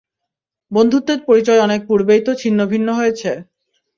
বন্ধুত্বের পরিচয় অনেক পূর্বেই তো ছিন্ন ভিন্ন হয়েছে।